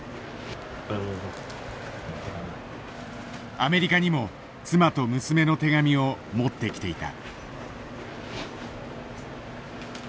アメリカにも妻と娘の手紙を持ってきていた。